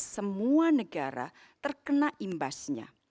semua negara terkena imbasnya